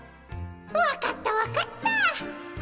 分かった分かった。